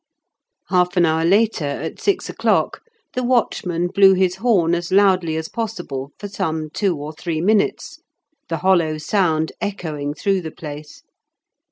Half an hour later, at six o'clock, the watchman blew his horn as loudly as possible for some two or three minutes, the hollow sound echoing through the place.